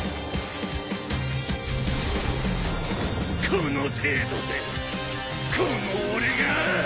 この程度でこの俺が。